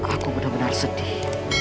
aku benar benar sedih